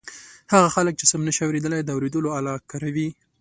هغه خلک چې سم نشي اورېدلای د اوریدلو آله کاروي.